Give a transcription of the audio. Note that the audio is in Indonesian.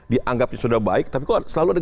dianggap sudah baik tapi kok selalu ada